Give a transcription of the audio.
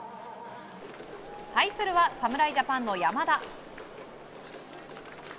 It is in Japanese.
対するは侍ジャパンの山田。